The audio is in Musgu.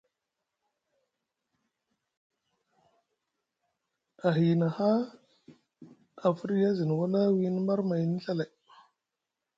A hiina haa a firya a zini wala wiini marmayni Ɵa lay.